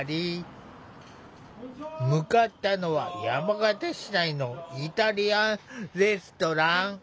向かったのは山形市内のイタリアンレストラン。